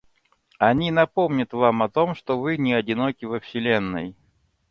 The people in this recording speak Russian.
Они напомнят вам о том, что вы не одиноки во Вселенной.